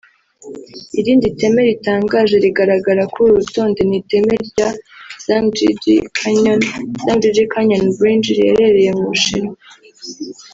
Irindi teme ritangaje rigaragara kuri uru rutonde ni iteme rya Zhangjiajie Canyon (Zhangjiajie Canyon Bridge) riherereye mu Bushinwa